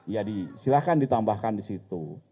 ya silahkan ditambahkan di situ